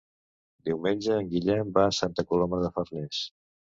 Diumenge en Guillem va a Santa Coloma de Farners.